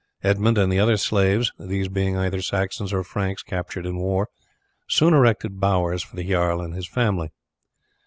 Edmund and the other slaves, these being either Saxon or Franks captured in war, soon erected bowers for the jarl and his family.